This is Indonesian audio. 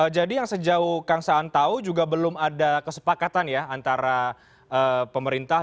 jadi yang sejauh kang saan tahu juga belum ada kesepakatan ya antara pemerintah